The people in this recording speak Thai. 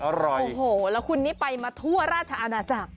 โอ้โหแล้วคุณนี่ไปมาทั่วราชอาณาจักร